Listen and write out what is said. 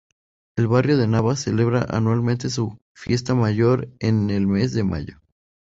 El barrio de Navas celebra anualmente su fiesta mayor en el mes de mayo.